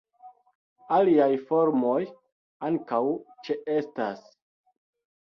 Aliaj formoj ankaŭ ĉeestas.